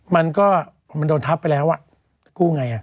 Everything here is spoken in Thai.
มันก็มันโดนทับไปแล้วกู้ไง